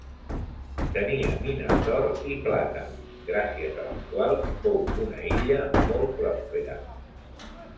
Tenia mines d'or i plata, gràcies a les quals fou una illa molt prospera.